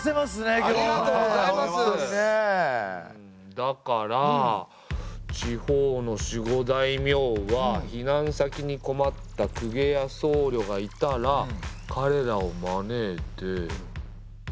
だから地方の守護大名は避難先に困った公家や僧侶がいたらかれらを招いて。